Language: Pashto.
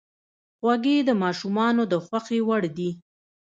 خوږې د ماشومانو د خوښې وړ دي.